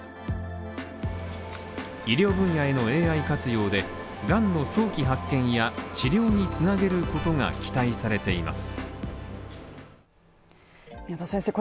医療分野へのＡＩ活用で、がんの早期発見や治療に繋げることが期待されています。